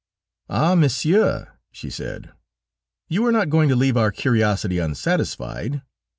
"Ah! Monsieur," she said, "you are not going to leave our curiosity unsatisfied....